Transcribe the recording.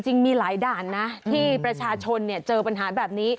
จริงมีหลายด่านนะที่ประชาชนเจอปัญหาแบบนี้